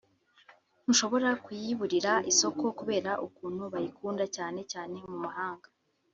ntushobora kuyiburira isoko kubera ukuntu bayikunda cyane cyane mu mahanga